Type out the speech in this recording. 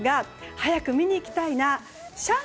早く見に行きたいなー。